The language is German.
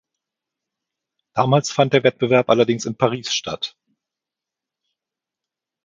Damals fand der Wettbewerb allerdings in Paris statt.